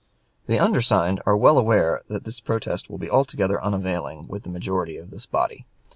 The undersigned are well aware that this protest will be altogether unavailing with the majority of this body.